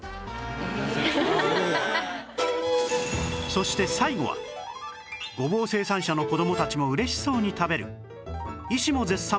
そして最後はごぼう生産者の子どもたちも嬉しそうに食べる医師も絶賛！